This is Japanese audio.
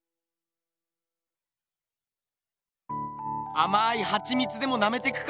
あまいハチミツでもなめてくか？